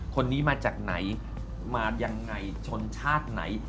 คนนี้มาจากไหนมายังไงชนชาติไหน